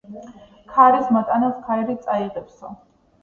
ქარის მოტანილს ქარი წაიღებსო.